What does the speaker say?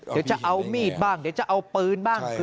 เดี๋ยวจะเอามีดบ้างเดี๋ยวจะเอาปืนบ้าง